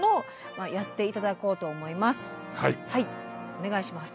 お願いします。